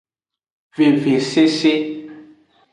Vevesese.